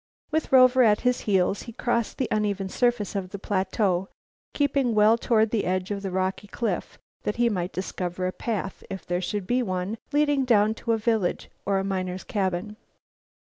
With Rover at his heels, he crossed the uneven surface of the plateau, keeping well toward the edge of the rocky cliff that he might discover a path, if there should be one, leading down to a village or a miner's cabin.